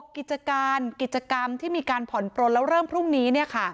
กิจการกิจกรรมที่มีการผ่อนปลนแล้วเริ่มพรุ่งนี้